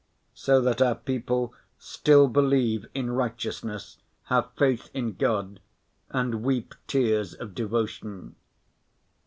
So that our people still believe in righteousness, have faith in God and weep tears of devotion.